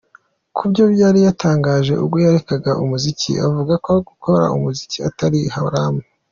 Ku byo yari yatangaje ubwo yarekaga umuziki avuga ko gukora umuziki ari ‘haramu’.